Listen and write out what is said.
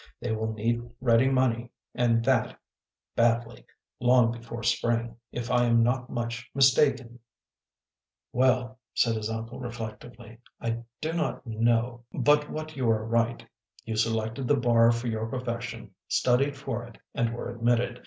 They will need ready money and that badly, long before Spring, if I am not much mis taken." " Well," said his uncle reflectively, " I do not know i2 4 THE PLEASANT WAYS OF ST. MEDARD but what you are right. You selected the bar for your profession, studied for it and were admitted.